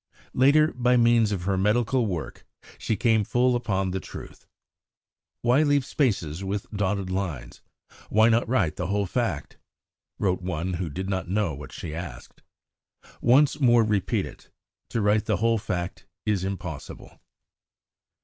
Later, by means of her medical work, she came full upon the truth. ... "Why leave spaces with dotted lines? Why not write the whole fact?" wrote one who did not know what she asked. Once more we repeat it, to write the whole fact is impossible.